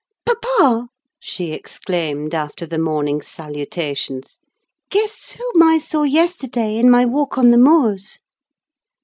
"Papa!" she exclaimed, after the morning's salutations, "guess whom I saw yesterday, in my walk on the moors.